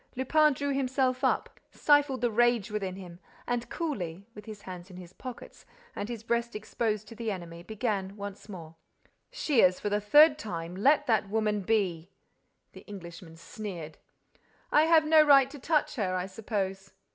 Lupin drew himself up, stifled the rage within him and, coolly, with his hands in his pockets and his breast exposed to the enemy, began once more: "Shears, for the third time, let that woman be—" The Englishman sneered: "I have no right to touch her, I suppose?